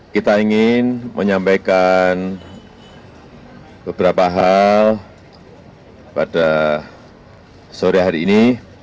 kita ingin menyampaikan beberapa hal pada sore hari ini